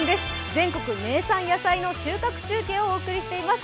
全国名産野菜の収穫中継をお送りしています。